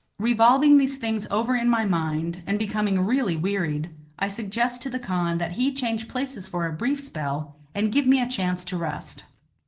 Revolving these things over in my mind, and becoming really wearied, I suggest to the khan that he change places for a brief spell and give me a chance to rest.